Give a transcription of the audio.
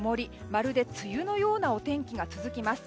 まるで梅雨のようなお天気が続きます。